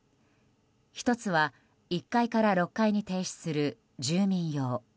１つは１階から６階に停止する住民用。